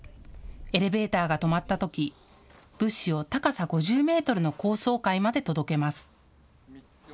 エレベーターが止まったとき物資を高さ５０メートルの高層階まで届けます。